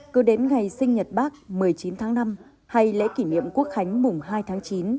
cứ đến ngày sinh nhật bác một mươi chín tháng năm hay lễ kỷ niệm quốc khánh mùng hai tháng chín